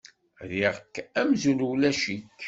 Rriɣ-k amzun ulac-ik.